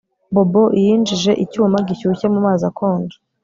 Bobo yinjije icyuma gishyushye mumazi akonje